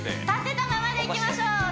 立てたままでいきましょう